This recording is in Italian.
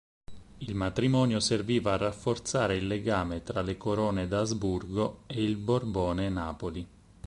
Il matrimonio serviva a rafforzare il legame tra le corone d'Asburgo e i Borbone-Napoli.